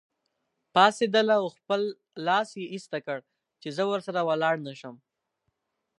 پاڅېدله او خپل لاس یې ایسته کړ چې زه ورسره ولاړ نه شم.